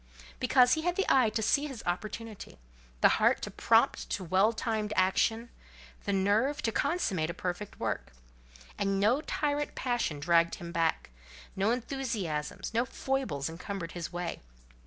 Because he had the eye to see his opportunity, the heart to prompt to well timed action, the nerve to consummate a perfect work. And no tyrant passion dragged him back; no enthusiasms, no foibles encumbered his way.